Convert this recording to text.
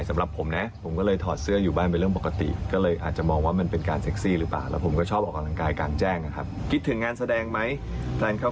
มันถึงได้ออกครองตัว